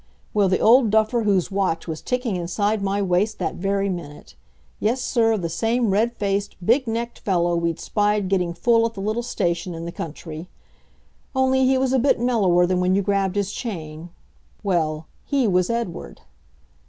Well, the old duffer whose watch was ticking inside my waist that very minute! Yes, sir, the same red faced, big necked fellow we'd spied getting full at the little station in the country. Only, he was a bit mellower than when you grabbed his chain. Well, he was Edward.